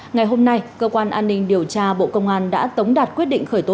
ngày hôm nay cơ quan an ninh điều tra bộ công an đã tống đạt quyết định khởi tố